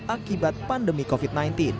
akibat pandemi covid sembilan belas